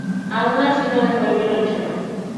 Aun así, no dejó el violonchelo.